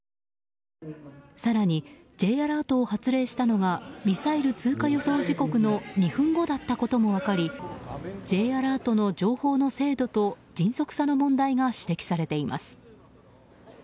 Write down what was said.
更に、Ｊアラートを発令したのがミサイル通過予想時刻の２分後だったことも分かりＪアラートの情報の精度と迅速さの問題が指摘されています。